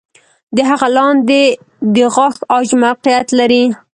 د هغه لاندې د غاښ عاج موقعیت لري.